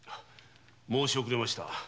申し遅れました。